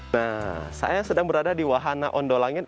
nah saya sedang berada di wahana ondo langit